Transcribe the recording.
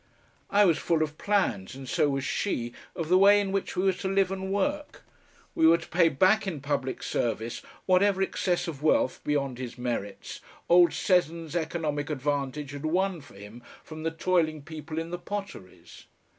I was full of plans and so was she of the way in which we were to live and work. We were to pay back in public service whatever excess of wealth beyond his merits old Seddon's economic advantage had won for him from the toiling people in the potteries.